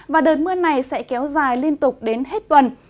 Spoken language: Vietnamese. và đợt mưa này sẽ kéo dài liên tục đến hết tuần